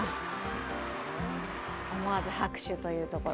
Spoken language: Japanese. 思わず拍手というところ。